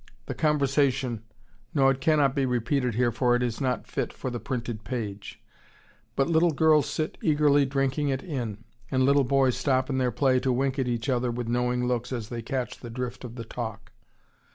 The conversation, no, it cannot be repeated here, for it is not fit for the printed page; but little girls sit eagerly drinking it in, and little boys stop in their play to wink at each other with knowing looks as they catch the drift of the talk.